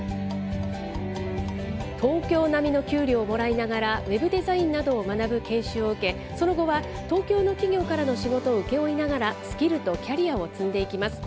東京並みの給料をもらいながら、ウェブデザインなどを学ぶ研修を受け、その後は東京の企業からの仕事を請け負いながら、スキルとキャリアを積んでいきます。